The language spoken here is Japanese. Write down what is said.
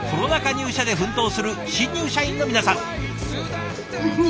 入社で奮闘する新入社員の皆さん。